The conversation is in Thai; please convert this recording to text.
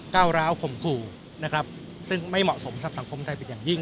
ก้าวร้าวข่มขู่นะครับซึ่งไม่เหมาะสมกับสังคมไทยเป็นอย่างยิ่ง